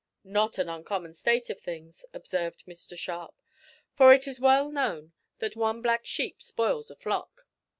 "Not an uncommon state of things," observed Mr Sharp, "for it is well known that one black sheep spoils a flock.